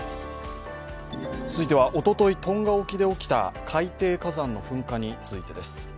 おととい、トンガ沖で起きた海底火山の噴火についてです。